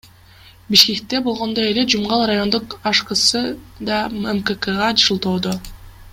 Бишкекте болгондой эле Жумгал райондук АШКсы да МККга шылтоодо.